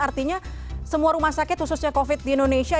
artinya semua rumah sakit khususnya covid di indonesia